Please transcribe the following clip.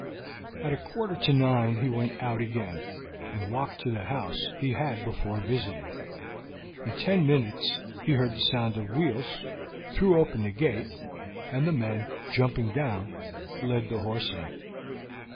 At a quarter to nine he went out again, and walked to the house he had before visited; in ten minutes he heard the sound of wheels, threw open the gate, and the men, jumping down, led the horse in.